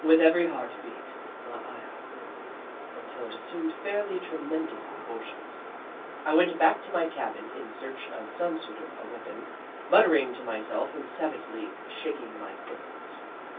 With every heart beat my ire grew until it assumed fairly tremen dous proportions. I went back to my cabin in search of some sort of a weapon, muttering to myself and sav agely shaking my fists.